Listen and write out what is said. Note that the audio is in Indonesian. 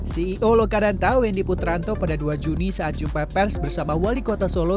ceo lokananta wendy putranto pada dua juni saat jumpa pers bersama wali kota solo